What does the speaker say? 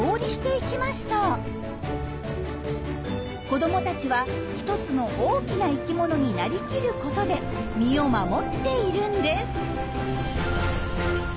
子どもたちは１つの大きな生きものになりきることで身を守っているんです。